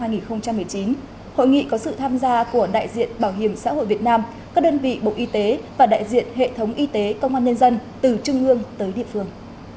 hội nghị có sự tham gia của đại diện bảo hiểm xã hội việt nam các đơn vị bộ y tế và đại diện hệ thống y tế công an nhân dân từ trung ương tới địa phương